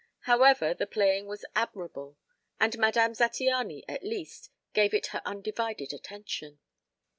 However, the playing was admirable; and Madame Zattiany, at least, gave it her undivided attention.